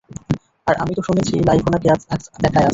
আর আমি তো শুনেছি, লাইভও নাকি দেখায় আজকাল।